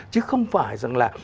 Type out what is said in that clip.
chứ không phải rằng là